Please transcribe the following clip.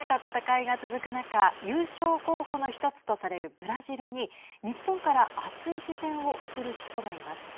世界一を懸けた戦いが続く中優勝候補の１つとされるブラジルに日本から熱い視線を送る人がいます。